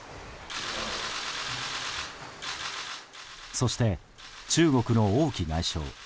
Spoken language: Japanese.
そして中国の王毅外相。